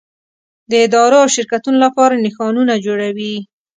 د ادارو او شرکتونو لپاره نښانونه جوړوي.